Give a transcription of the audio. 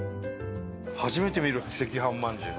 初めて見る赤飯まんじゅう。